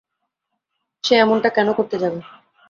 সে এমনটা কেন করতে যাবে?